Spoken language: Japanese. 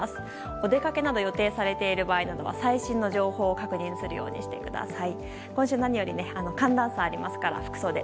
お出かけなどを予定されている場合は最新の情報を確認するようにしてください。